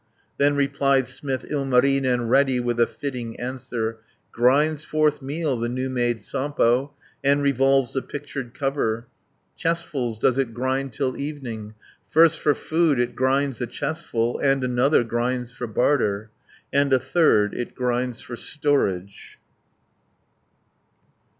Then replied smith Ilmarinen, Ready with a fitting answer, "Grinds forth meal, the new made Sampo, And revolves the pictured cover, Chestfuls does it grind till evening, First for food it grinds a chestful, And another grinds for barter, And a third it grinds for storage."